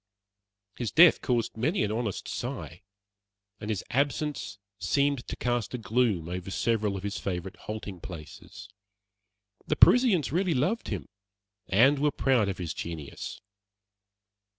His death caused many an honest sigh, and his absence seemed to cast a gloom over several of his favorite halting places. The Parisians really loved him, and were proud of his genius.